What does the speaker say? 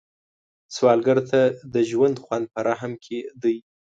سوالګر ته د ژوند خوند په رحم کې دی